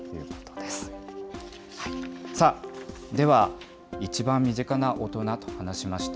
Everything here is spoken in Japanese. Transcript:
では、一番身近な大人と話しました。